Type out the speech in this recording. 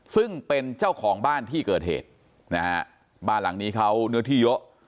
ซึ่งเป็นเจ้าของบ้านที่เกิดเหตุนะฮะบ้านหลังนี้เขาเนื้อที่เยอะ